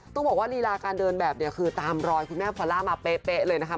ต้องบอกว่าลีลาการเดินแบบเนี่ยคือตามรอยคุณแม่พอล่ามาเป๊ะเลยนะคะ